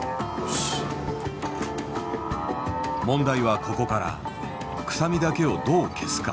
問題はここから臭みだけをどう消すか。